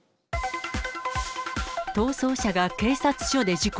逃走車が警察署で事故。